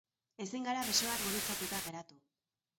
Ezin gara besoak gurutzatuta geratu.